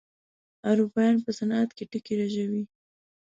اروپايان په صنعت کې ټکي رژوي.